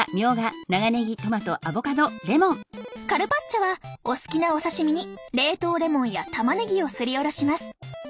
カルパッチョはお好きなお刺身に冷凍レモンやたまねぎをすりおろします。